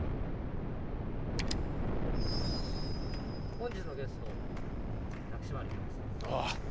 本日のゲスト薬師丸ひろ子さんです。